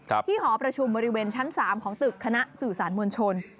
ที่หอประชุมบริเวณชั้นสามของตึกคณะสื่อสารมวลชน